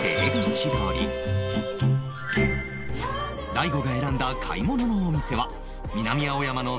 大悟が選んだ買い物のお店は南青山のセレクトショップ